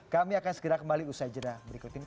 kami akan segera kembali usai jeda berikut ini